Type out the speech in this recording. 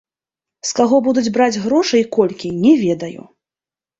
З каго будуць браць грошы і колькі, не ведаю.